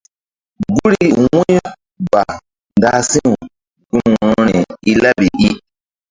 Gun wu̧yri ba ndah si̧w gun wo̧rori i laɓi i.